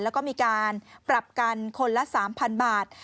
แล้วก็มีการปรับกันคนละ๓๐๐๐บาท